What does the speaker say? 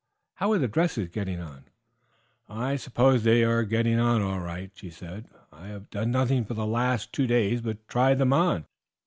How are the dresses getting on?" "I suppose they are getting on all right," she said. "I have done nothing for the last two days but try them on.